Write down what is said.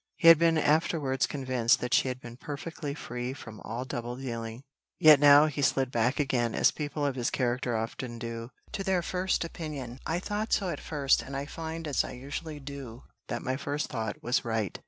He had been afterwards convinced that she had been perfectly free from all double dealing; yet now he slid back again, as people of his character often do, to their first opinion. "I thought so at first, and I find, as I usually do, that my first thought was right."